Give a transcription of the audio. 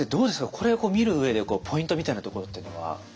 これを見る上でこうポイントみたいなところっていうのは。